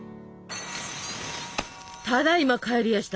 ただいま帰りやした。